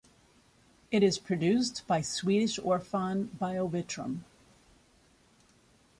It is produced by Swedish Orphan Biovitrum.